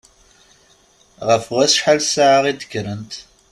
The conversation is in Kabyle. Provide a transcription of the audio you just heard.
Ɣef wacḥal ssaɛa i d-kkrent?